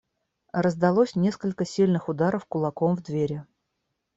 Раздалось несколько сильных ударов кулаком в двери.